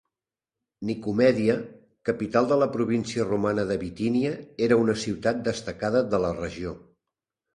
Nicomèdia, capital de la província romana de Bitínia, era una ciutat destacada de la regió.